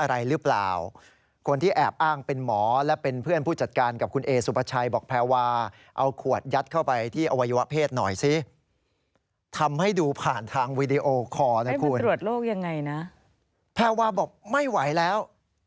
และตั้งนั้นเขาก็แคปภาพไว้แล้ว